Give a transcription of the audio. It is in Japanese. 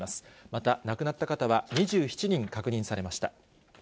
また、亡くなった方は２７人確認されました。